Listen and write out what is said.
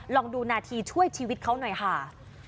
ลองดูนาทีช่วยชีวิตเขาหน่อยค่ะ